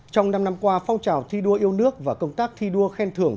trong năm năm qua phong trào thi đua yêu nước và công tác thi đua khen thưởng